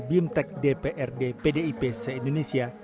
bimtek dprd pdip se indonesia